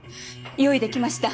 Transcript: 用意できました。